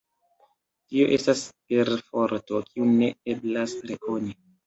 Tio estas perforto, kiun ne eblas rekoni.